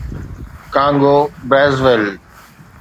Congo - Brazzaville